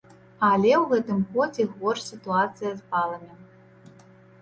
Але ў гэтым годзе горш сітуацыя з баламі.